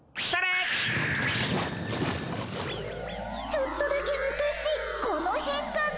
ちょっとだけ昔このへんかね？